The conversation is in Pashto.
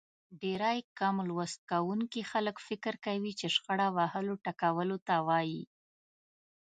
ډېری کم لوست کوونکي خلک فکر کوي چې شخړه وهلو ټکولو ته وايي.